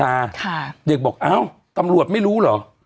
ค่ะเด็กบอกอ้าวตำรวจไม่รู้เหรอ